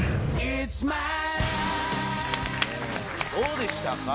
どうでしたか？